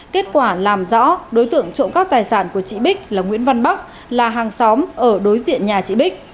kết quả làm rõ đối tượng trộm các tài sản của chị bích là nguyễn văn bắc là hàng xóm ở đối diện nhà chị bích